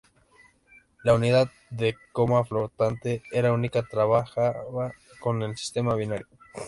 La unidad de coma flotante era única, trabajaba con el sistema binario.